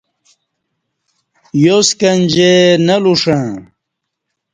یوسکنجے نہ لوݜݩع